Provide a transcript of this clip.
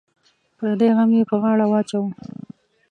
پردی غم یې پر غاړه واچوه.